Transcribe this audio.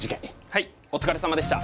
はいお疲れさまでした。